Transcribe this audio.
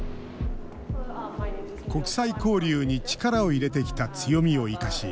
国際交流に力を入れてきた強みを生かし